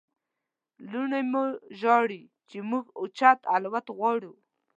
لوڼې مو ژاړي چې موږ اوچت الوت غواړو.